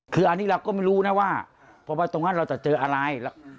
คืออันนี้เราก็ไม่รู้นะว่าพอไปตรงนั้นเราจะเจออะไร